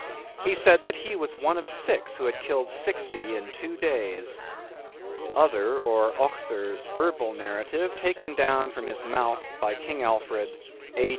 He said that he was one of six who had killed sixty in two days." —_Other or Other's verbal narrative taken down from his mouth by King Alfred, A.